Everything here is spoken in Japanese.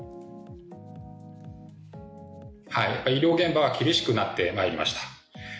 医療現場は厳しくなってまいりました。